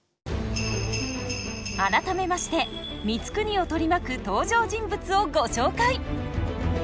改めまして光圀を取り巻く登場人物をご紹介！